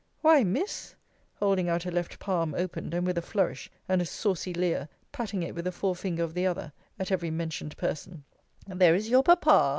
Why, Miss, holding out her left palm opened, and with a flourish, and a saucy leer, patting it with the fore finger of the other, at every mentioned person, there is your papa!